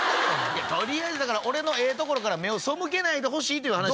取りあえず俺のええところから目を背けないでほしいって話。